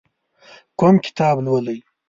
کوم کتاب لولئ؟